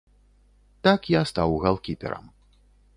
Так я стаў галкіперам.